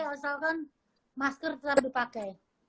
kalau kan masker tetap dipakai